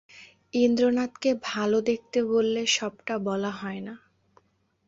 ইন্দ্রনাথকে ভালো দেখতে বললে সবটা বলা হয় না।